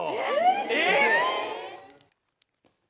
えっ！